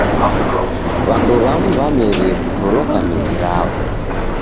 W'andu w'amu w'amerie kutoroka mizi raw'o.